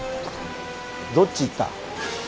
どっち行った？